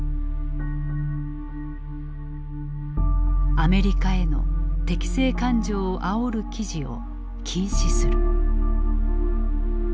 「アメリカへの敵性感情をあおる記事を禁止する」。